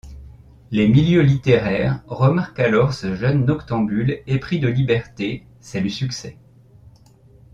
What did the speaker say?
Les milieux littéraires remarquent alors ce jeune noctambule épris de liberté, c’est le succès.